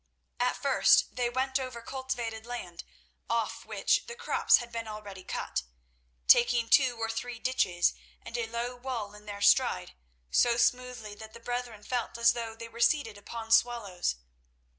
At first they went over cultivated land off which the crops had been already cut, taking two or three ditches and a low wall in their stride so smoothly that the brethren felt as though they were seated upon swallows.